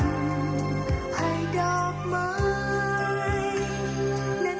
ให้ดอกไม้แน่นแผนความร่ำแห่ง